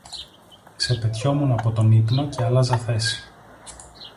Ξεπετιόμουν από τον ύπνο και άλλαζα θέση